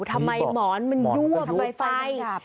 ทำไมหมอนมันย่วม